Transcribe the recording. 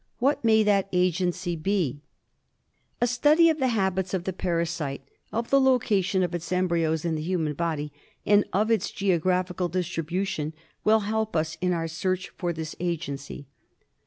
What may that agency be ? A study of the habits of the parasite, of the location of its embryos in the human body, and of its geographical distribution, will help us in our search for this agency.